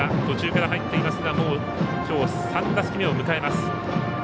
途中から入っていますがきょう、３打席目を迎えています。